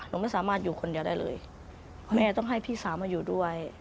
หนูไม่สามารถอยู่คนเดียวได้เลยเพราะแม่ต้องให้พี่สาวมาอยู่ด้วย